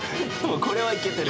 ・これはいけてる